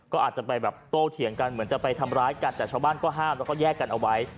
ก็อาจจะไปแบบโตเถียงกันเหมือนจะไปทำร้ายกันแต่ชาวบ้านก็ห้ามแล้วก็แยกกันเอาไว้